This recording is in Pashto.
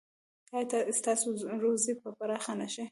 ایا ستاسو روزي به پراخه نه شي؟